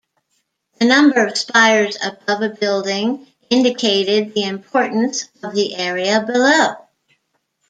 The number of spires above a building indicated the importance of the area below.